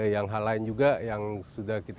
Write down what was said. yang hal lain juga yang sudah kita